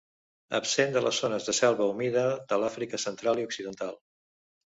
Absent de les zones de selva humida de l'Àfrica Central i Occidental.